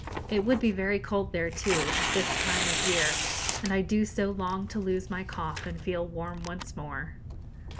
It would be very cold there, too, at this time of year; and I do so long to lose my cough and feel warm once more.